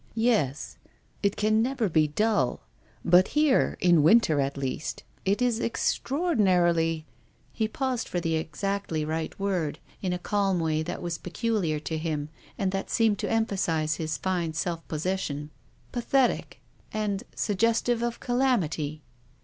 "Yes. It can never be dull. But here, in winter at least, it is extraordinarily —" he paused for the exactly right word, in a calm way that was peculiar to him and that seemed to emphasise his fine self possession — "pathetic, and suggestive of calamity."